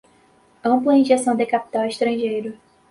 ampla injeção de capital estrangeiro